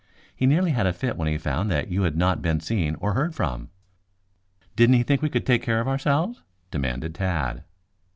He nearly had a fit when he found that you had not been seen or heard from." "Didn't he think we could take care of ourselves?" demanded Tad.